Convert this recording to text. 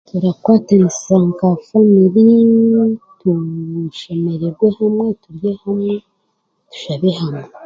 Turakwatanisa nka famiriii kugira ngu tushemererwe hamwe, turye hamwe, tushabe hamwe.